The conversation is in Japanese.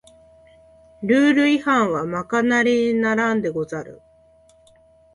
ルール違反はまかなりならんでござる